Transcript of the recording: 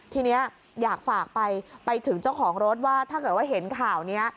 ทีนี้อยากฝากไปไปถึงเจ้าของรถว่าถ้าเกิดว่าเห็นข่าวนี้